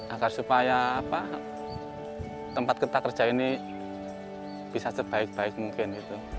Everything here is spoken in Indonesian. agar supaya tempat kita kerja ini bisa sebaik baik mungkin